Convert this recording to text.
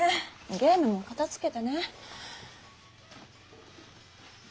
ゲームもかたづけてね。